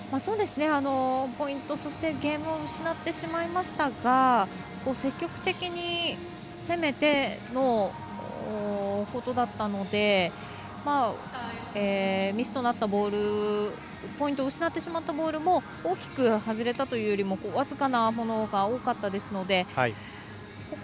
ポイント、そしてゲームを失ってしまいましたが積極的に攻めてのことだったのでミスとなったボールポイントを失ってしまったボールも大きく外れたというより僅かなものが多かったですので。